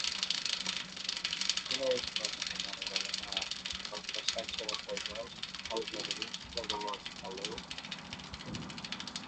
Quina és la millor manera d'anar del passatge de Pagès als jardins de Dolors Aleu?